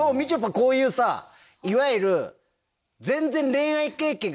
こういうさいわゆる全然。